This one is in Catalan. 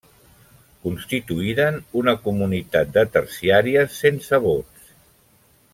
Constituïren una comunitat de terciàries, sense vots.